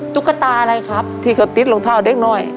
ตุ๊กตาอะไรครับที่กระติ๊ดรองเท้าเด็กหน่อย